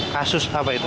kasus apa itu